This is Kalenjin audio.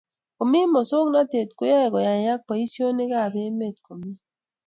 Komi masongnatet koyaie koyayak boishonik ab emet komye